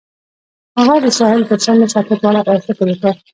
هغه د ساحل پر څنډه ساکت ولاړ او فکر وکړ.